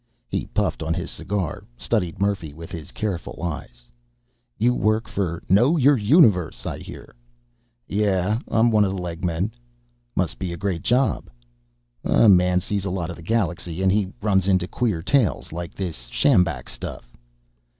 He puffed on his cigar, studied Murphy with his careful eyes. "You work for Know Your Universe!, I hear." "Yeah. I'm one of the leg men." "Must be a great job." "A man sees a lot of the galaxy, and he runs into queer tales, like this sjambak stuff."